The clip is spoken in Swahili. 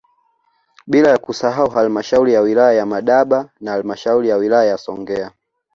Bila kusahau halmashauri ya wilaya ya Madaba na halmashauri ya wilaya ya Songea